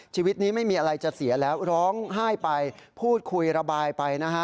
ชีวิตนี้ไม่มีอะไรจะเสียแล้วร้องไห้ไปพูดคุยระบายไปนะฮะ